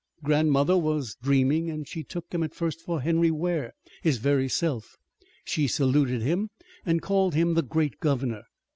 Grandmother was dreaming and she took him at first for Henry Ware, his very self. She saluted him and called him the great governor.